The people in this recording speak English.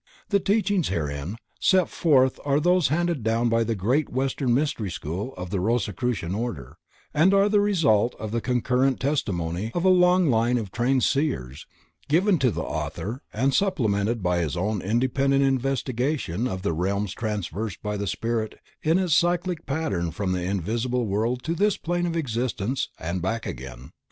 The teachings herein set forth are those handed down by the Great Western Mystery School of the Rosicrucian Order and are the result of the concurrent testimony of a long line of trained Seers given to the author and supplemented by his own independent investigation of the realms traversed by the spirit in its cyclic path from the invisible world to this plane of existence and back again.